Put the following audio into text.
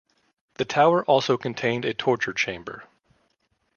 The tower also contained a torture chamber.